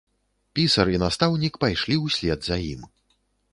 Пісар і настаўнік пайшлі ўслед за ім.